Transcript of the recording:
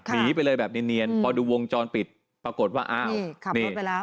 หนีไปเลยแบบเนียนพอดูวงจรปิดปรากฏว่าอ้าว